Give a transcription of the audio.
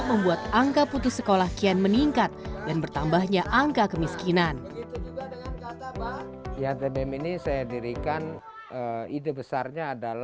membuat angka putus sekolah kian meningkat dan bertambahnya angka kemiskinan